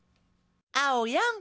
あおやん